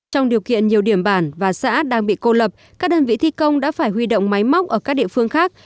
trong điều kiện nhiều điểm bản và xã đang bị cô lập các đơn vị thi công đã phải huy động máy móc ở các địa phương khác